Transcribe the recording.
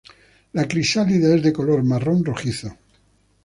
La crisálida es de color marrón rojizo.